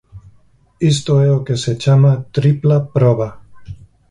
Isto é o que se chama "tripla proba".